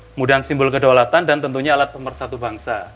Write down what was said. kemudian simbol kedaulatan dan tentunya alat pemersatu bangsa